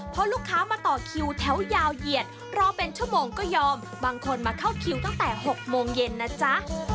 พอลูกค้ามาต่อคิวแถวยาวเหยียดรอเป็นชั่วโมงก็ยอมบางคนมาเข้าคิวตั้งแต่๖โมงเย็นนะจ๊ะ